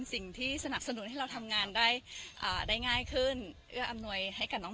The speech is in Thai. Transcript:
สิ่งที่สนับสนุนให้เราทำงานได้ได้ง่ายขึ้นเอื้ออำนวยให้กับน้อง